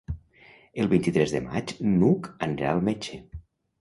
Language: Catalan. El vint-i-tres de maig n'Hug anirà al metge.